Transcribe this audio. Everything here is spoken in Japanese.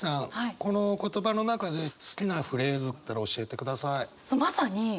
この言葉の中で好きなフレーズあったら教えてください。